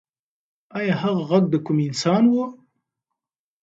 ایا هغه غږ د کوم انسان و؟